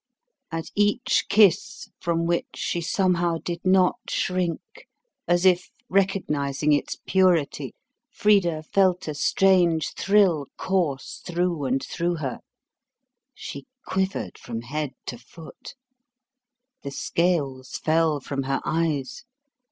At each kiss, from which she somehow did not shrink, as if recognising its purity, Frida felt a strange thrill course through and through her. She quivered from head to foot. The scales fell from her eyes.